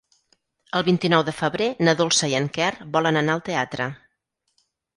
El vint-i-nou de febrer na Dolça i en Quer volen anar al teatre.